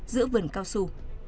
giữa vườn cao su